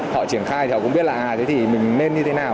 họ triển khai thì họ cũng biết là ai thế thì mình nên như thế nào